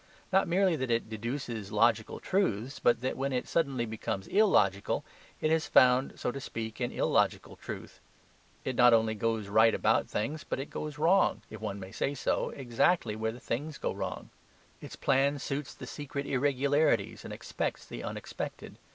Not merely that it deduces logical truths, but that when it suddenly becomes illogical, it has found, so to speak, an illogical truth. It not only goes right about things, but it goes wrong (if one may say so) exactly where the things go wrong. Its plan suits the secret irregularities, and expects the unexpected.